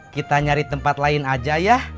kita nyari tempat lain aja ya